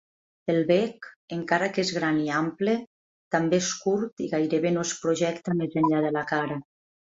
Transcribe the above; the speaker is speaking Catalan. El bec, encara que és gran i ample, també és curt i gairebé no es projecta més enllà de la cara.